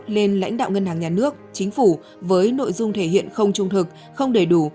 lên lãnh đạo ngân hàng nhà nước chính phủ với nội dung thể hiện không trung thực không đầy đủ